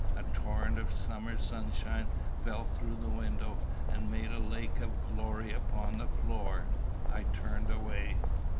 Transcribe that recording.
A torrent of summer sunshine fell through the window, and made a lake of glory upon the floor. I turned away.